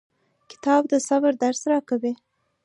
کتاب د صبر درس راکوي.